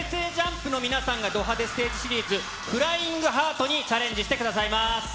ＪＵＭＰの皆さんが、ド派手ステージシリーズ、フライングハートにチャレンジしてくださいます。